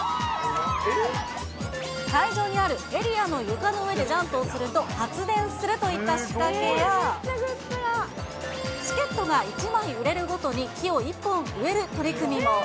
会場にあるエリアの床の上でジャンプをすると発電するといった仕掛けや、チケットが１枚売れるごとに、木を１本植える取り組みも。